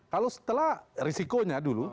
kalau setelah risikonya dulu